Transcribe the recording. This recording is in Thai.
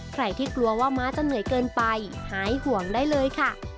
ใครที่กลัวว่าม้าจะเหนื่อยเกินไปหายห่วงได้เลยค่ะ